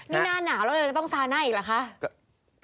เดี๋ยวก่อนนี่หน้าหนาวแล้วต้องซานหน้าอีกหรอคะ